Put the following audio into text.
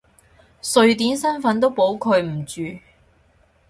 瑞典身份都保佢唔住！